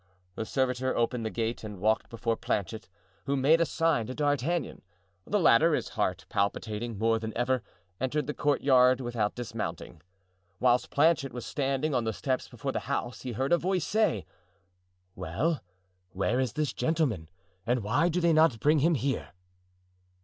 The servitor opened the gate and walked before Planchet, who made a sign to D'Artagnan. The latter, his heart palpitating more than ever, entered the courtyard without dismounting. Whilst Planchet was standing on the steps before the house he heard a voice say: "Well, where is this gentleman and why do they not bring him here?"